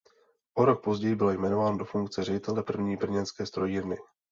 O rok později byl jmenován do funkce ředitele První brněnské strojírny.